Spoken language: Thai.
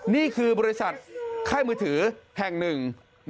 นี่คือบริษัทค่ายมือถือแห่งหนึ่ง